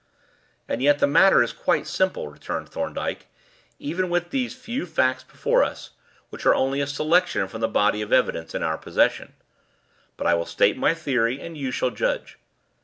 "And yet the matter is quite simple," returned Thorndyke, "even with these few facts before us, which are only a selection from the body of evidence in our possession. But I will state my theory, and you shall judge."